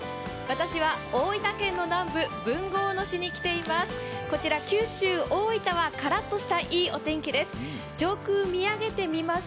私は大分県の南部、豊後大野市に来ています。